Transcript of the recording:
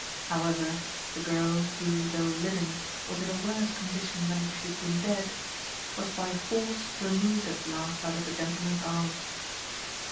How ever, the girl, who, though living, was in a worse 20 THE HEPTAMERON. condition than if she had been dead, was by force removed at last out of the gentleman's arms.